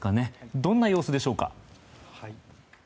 どんな様子でしょうか。